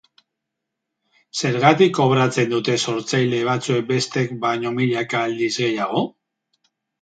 Zergatik kobratzen dute sortzaile batzuek bestek baino milaka aldiz gehiago?